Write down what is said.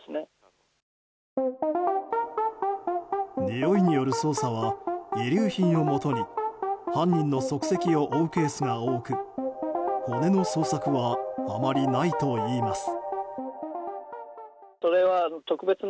においによる捜査は遺留品をもとに犯人の足跡を追うケースが多く骨の捜索はあまりないといいます。